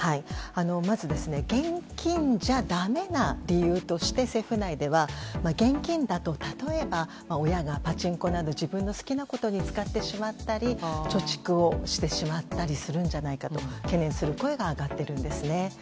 まず、現金じゃだめな理由として政府内では現金だと、例えば親がパチンコなど自分の好きなことに使ってしまったり貯蓄をしてしまったりするんじゃないかと懸念する声が上がっているんですね。